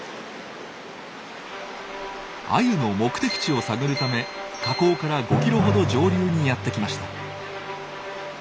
アユの目的地を探るため河口から５キロほど上流にやって来ました。